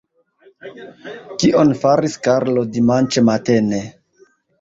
Kion faris Karlo dimanĉe matene?